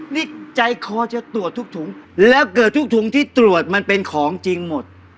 นี่ใจคอจะตรวจทุกถุงแล้วเกิดทุกถุงที่ตรวจมันเป็นของจริงหมด